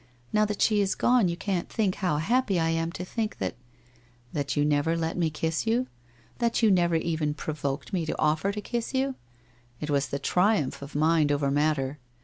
Now that she is gone you can't think how happy I am to think that '' That you never let me kiss you? That you never even provoked me to offer to kiss you! It was the triumph of mind over matter.